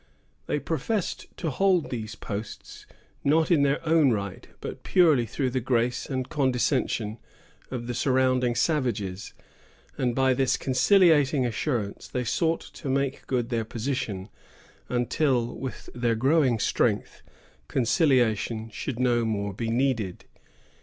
They professed to hold these posts, not in their own right, but purely through the grace and condescension of the surrounding savages; and by this conciliating assurance they sought to make good their position, until, with their growing strength, conciliation should no more be needed.